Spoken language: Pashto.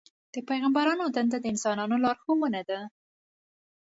د پیغمبرانو دنده د انسانانو لارښوونه ده.